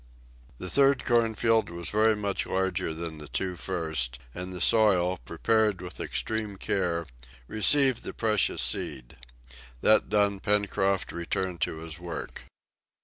The third corn field was very much larger than the two first, and the soil, prepared with extreme care, received the precious seed. That done, Pencroft returned to his work.